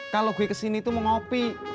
kalau gue kesini tuh mau ngopi